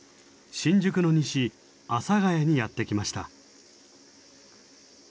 新宿の西阿佐ヶ谷にやって来ました。